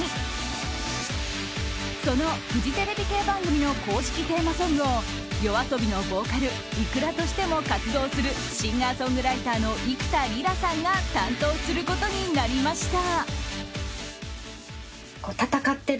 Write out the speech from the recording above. そのフジテレビ系番組の公式テーマソングをＹＯＡＳＯＢＩのボーカルｉｋｕｒａとしても活動するシンガーソングライターの幾田りらさんが担当することになりました。